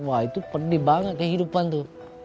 wah itu pedih banget kehidupan tuh